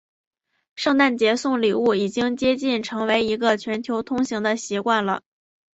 圣诞节送礼物已经接近成为一个全球通行的习惯了。